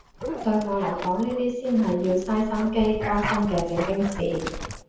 對我嚟講呢啲先係要嘥心機關心嘅正經事